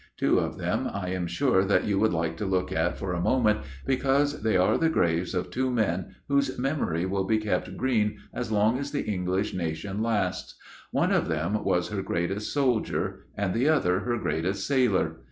Two of them I am sure that you would like to look at for a moment, because they are the graves of two men whose memory will be kept green as long as the English nation lasts. One of them was her greatest soldier, and the other her greatest sailor.